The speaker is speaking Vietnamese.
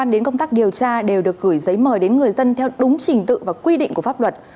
đến công tác điều tra đều được gửi giấy mời đến người dân theo đúng trình tự và quy định của pháp luật